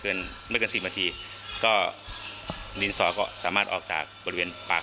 ไม่เกินสิบนาทีก็ดินสอก็สามารถออกจากบริเวณปาก